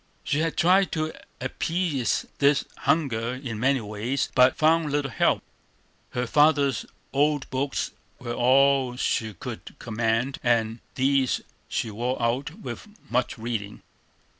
She had tried to appease this hunger in many ways, but found little help. Her father's old books were all she could command, and these she wore out with much reading.